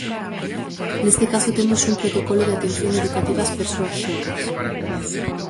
Neste caso, temos un protocolo de atención educativa ás persoas xordas.